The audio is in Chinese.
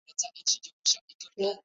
现任店主是鳗屋育美。